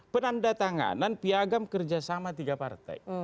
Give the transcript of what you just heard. penanda tanganan piagam kerjasama tiga partai